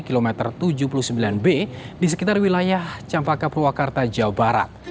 kilometer tujuh puluh sembilan b di sekitar wilayah campaka purwakarta jawa barat